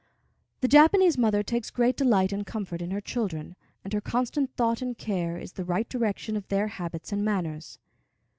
The Japanese mother takes great delight and comfort in her children, and her constant thought and care is the right direction of their habits and manners.